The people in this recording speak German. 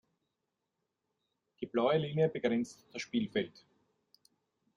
Die blaue Linie begrenzt das Spielfeld.